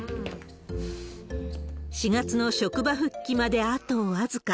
４月の職場復帰まであと僅か。